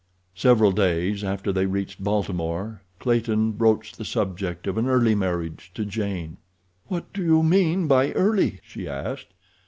Several days after they reached Baltimore Clayton broached the subject of an early marriage to Jane. "What do you mean by early?" she asked.